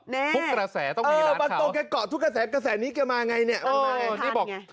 นี่บางโตก็เกาะทุกกระแสกระแสนี้เค้ามายังไงเนี่ยมากินไง